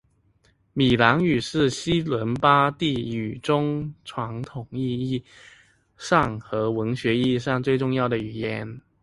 米兰语是西伦巴第语之中传统意义上和文学意义上最重要的语言。